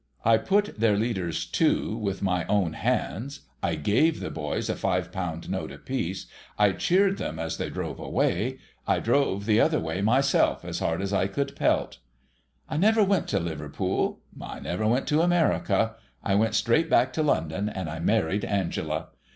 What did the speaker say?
I put their leaders to with my own hands, I gave the boys a five pound note apiece, I cheered them as they drove away, I drove the other way myself as hard as I could pelt. I never went to Liverpool, I never went to America, I went straight back to London, and I married Angela.